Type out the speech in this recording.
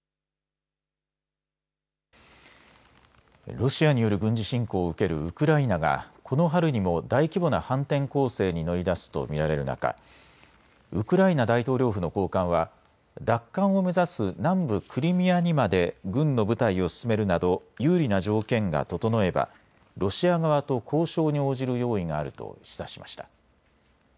ロシアによる軍事侵攻を受けるウクライナがこの春にも大規模な反転攻勢に乗り出すと見られる中、ウクライナ大統領府の高官は奪還を目指す南部クリミアにまで軍の部隊を進めるなど有利な条件が整えばロシア側と交渉に応じる用意があると示唆しました。